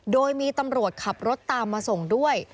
โดยมีตำรวจขับรถตามมาส่งด้วย